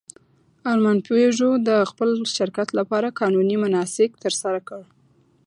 ارمان پيژو د خپل شرکت لپاره قانوني مناسک ترسره کړل.